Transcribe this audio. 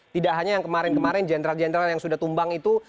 tidak hanya yang kemarin kemarin jenderal jenderal yang sudah tumbang itu